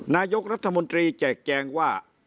นายกรัฐมนตรีแจกแจงว่า